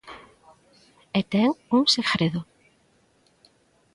E ten un segredo.